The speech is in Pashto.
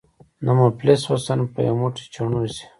د مفلس حسن په یو موټی چڼو ځي.